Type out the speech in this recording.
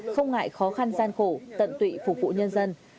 không ngại khó khăn gian khổ tận tụy phục vụ nhân dân